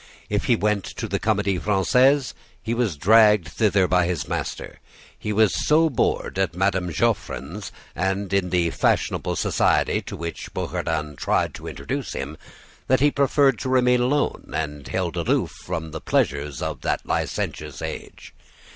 If he went to the Comedie Francaise, he was dragged thither by his master. He was so bored at Madame Geoffrin's, and in the fashionable society to which Bouchardon tried to introduce him, that he preferred to remain alone, and held aloof from the pleasures of that licentious age.